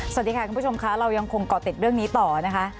สวัสดีค่ะคุณผู้ชมค่ะเรายังคงเกาะติดเรื่องนี้ต่อนะคะ